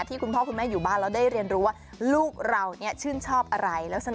คุณพ่อคุณแม่อยู่บ้านแล้วได้เรียนรู้ว่าลูกเราเนี่ยชื่นชอบอะไรลักษณะ